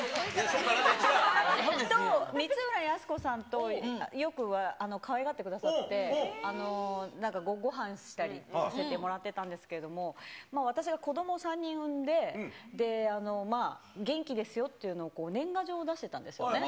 光浦靖子さんと、よくかわいがってくださって、なんかごはんしたりとか、させてもらってたんですけど、私が子ども３人産んで、元気ですよっていうのを年賀状を出してたんですよね。